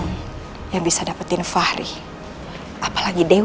ini bisa dikonspirasi atau tidak harus ditunggu kalau kamu tidak bisa mendapatkan fahri sama sekali